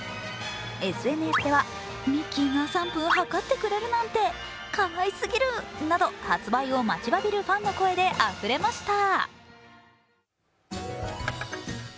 ＳＮＳでは、ミッキーが３分はかってくれるなんて、かわいすぎるなど発売を待ちわびるファンの声であふれました。